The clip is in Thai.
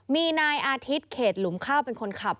มีนายอาทิตย์เขตหลุมข้าวเป็นคนขับ